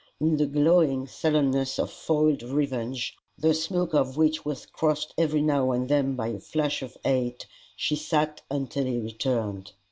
In the glowing sullenness of foiled revenge, the smoke of which was crossed every now and then by a flash of hate, she sat until he returned.